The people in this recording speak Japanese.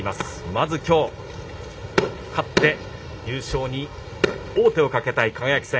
まずきょう勝って、優勝に王手をかけたい輝戦。